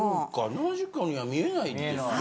７０ｋｇには見えないですね。